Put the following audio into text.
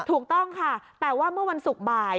ถูกต้องค่ะแต่ว่าเมื่อวันศุกร์บ่าย